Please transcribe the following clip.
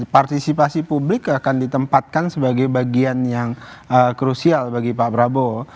partisipasi publik akan ditempatkan sebagai bagian yang krusial bagi pak prabowo